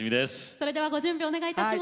それではご準備お願いいたします。